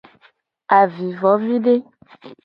Avivovide.